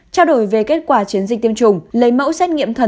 trao đổi về kết quả chiến dịch tiêm chủng